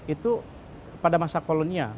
itu pada masa kolonia